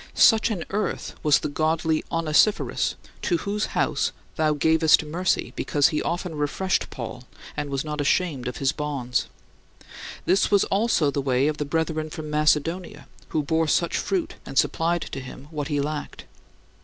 Such an "earth" was the godly Onesiphorus, to whose house thou gavest mercy because he often refreshed Paul and was not ashamed of his bonds. This was also the way of the brethren from Macedonia, who bore such fruit and supplied to him what he lacked.